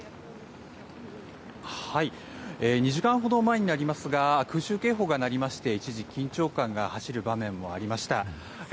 ２時間ほど前になりますが空襲警報が鳴りまして、一時緊張感が走る場面もありました。